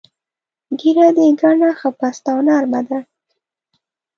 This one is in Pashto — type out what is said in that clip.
ږیره دې ګڼه، ښه پسته او نر مه ده.